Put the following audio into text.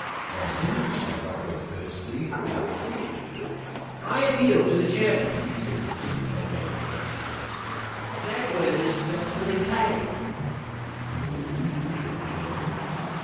From him I borrowed, firstly, a queue.' * I appeal to the chairman,' said Jimmy Feldane confidently. * That word is spelled with a K.' * No,' said the chairman.